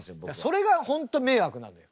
それが本当迷惑なのよ。